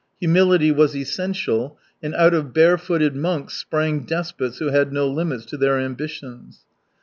Humility was essential — and out of bare footed monks sprang despots who had no limits to their ambitions.